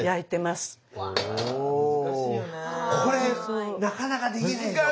これなかなかできないでしょ。